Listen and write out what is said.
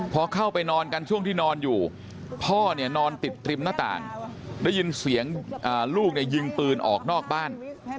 พอเข้าไปนอนกันช่วงที่นอนอยู่พ่อเนี่ยนอนติดริมหน้าต่างได้ยินเสียงลูกเนี่ยยิงปืนออกนอกบ้าน